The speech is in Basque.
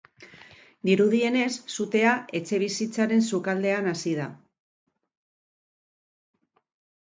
Dirudienez, sutea etxebizitzaren sukaldean hasi da.